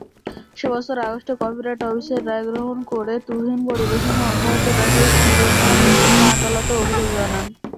সে বছরের আগস্টে কপিরাইট অফিসের রায় অগ্রাহ্য করে তুহিন পরিবেশনা অব্যহত রাখলে শিরোনামহীন আদালতে অভিযোগ জানায়।